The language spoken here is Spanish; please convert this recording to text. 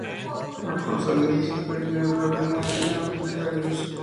A causa de ella, se prohibió el matrimonio entre arios y no arios.